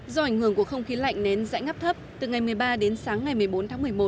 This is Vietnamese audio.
do ảnh hưởng của không khí lạnh nến dãi ngắp thấp từ ngày một mươi ba đến sáng ngày một mươi bốn tháng một mươi một